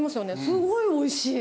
すごい美味しい。